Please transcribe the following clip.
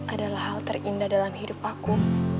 adalah hal terindah dalam hidup aku